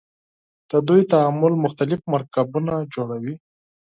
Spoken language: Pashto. د دوی تعامل مختلف مرکبونه جوړوي.